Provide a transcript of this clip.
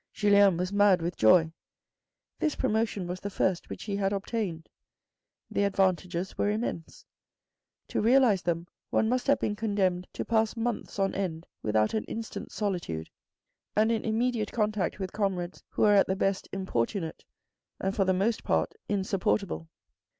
Julien was mad with joy. This promotion was the first which he had obtained. The advantages were immense. To realise them one must have been condemned to pass months on end without an instant's solitude, and in immediate contact with comrades who were at the best importunate, and for the most part insupportable.